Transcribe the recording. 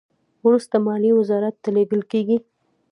وروسته مالیې وزارت ته لیږل کیږي.